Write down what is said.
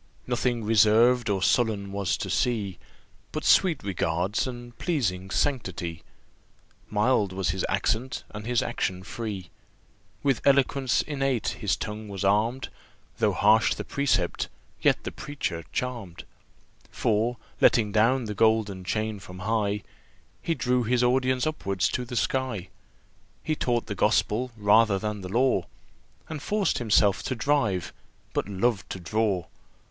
Nothing reserved or sullen was to see, But sweet regards, and pleasing sanctity, Mild was his accent, and his action free. With eloquence innate his tongue was arm'd, Though harsh the precept, yet the preacher charm'd; For, letting down the golden chain from high, He drew his audience upwards to the sky. He taught the Gospel rather than the law, And forced himself to drive, but loved to draw.